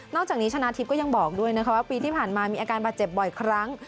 จากนี้ชนะทิพย์ก็ยังบอกด้วยนะคะว่าปีที่ผ่านมามีอาการบาดเจ็บบ่อยครั้ง